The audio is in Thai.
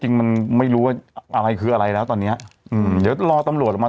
จริงมันไม่รู้ว่าอะไรคืออะไรแล้วตอนเนี้ยอืมเดี๋ยวรอตำรวจออกมา